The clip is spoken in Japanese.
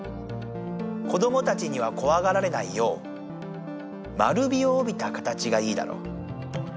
子どもたちにはこわがられないよう丸みをおびた形がいいだろう。